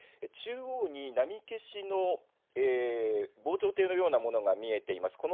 中央に波消しの防潮堤のようなものが見えています。